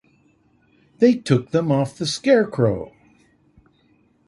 They took them off the scarecrow.